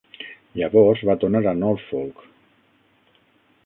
Llavors va tornar a Norfolk.